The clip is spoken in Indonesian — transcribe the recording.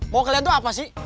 mau kelihatan apa sih